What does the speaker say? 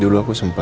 dulu aku sempat